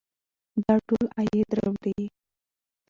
دا ټول عاید راوړي.